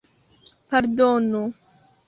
Pardonu?